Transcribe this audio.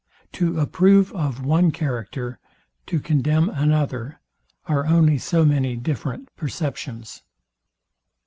To approve of one character, to condemn another, are only so many different perceptions.